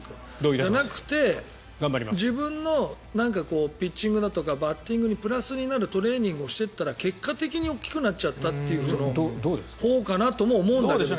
じゃなくて自分のバッティングにプラスになるトレーニングをしていったら結果的に大きくなっちゃったほうかなと思うんですが。